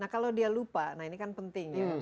nah kalau dia lupa nah ini kan penting